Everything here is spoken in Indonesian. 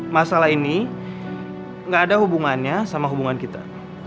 masalah ini nggak ada hubungannya sama hubungan kita